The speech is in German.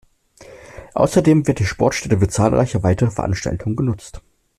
Außerdem wird die Sportstätte für zahlreiche weitere Veranstaltungen genutzt.